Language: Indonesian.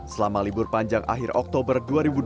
selama libur panjang akhir oktober dua ribu dua puluh